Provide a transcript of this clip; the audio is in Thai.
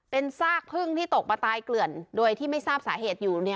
เป็นซากพึ่งที่ตกมาตายเกลื่อนโดยที่ไม่ทราบสาเหตุอยู่